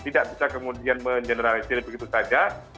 tidak bisa kemudian mengeneralisir begitu saja